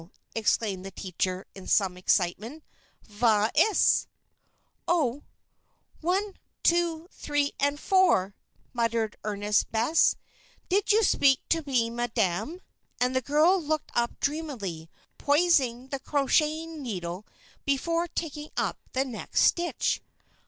exclaimed the teacher, in some excitement. "Vas iss?" "Oh! One, two, three, and four!" muttered the earnest Bess. "Did did you speak to me, Madam?" and the girl looked up dreamily, poising the crocheting needle before taking up the next stitch.